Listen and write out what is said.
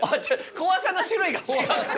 怖さの種類が違くて。